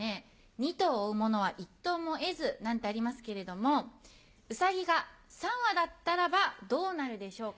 「二兎を追う者は一兎をも得ず」なんてありますけれどもウサギが３羽だったらばどうなるでしょうか？